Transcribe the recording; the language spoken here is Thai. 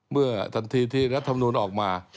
เมื่อทันทีที่รัฐมนุนออกมา